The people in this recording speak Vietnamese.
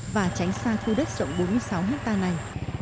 và tránh xa khu đất rộng bốn mươi sáu hectare này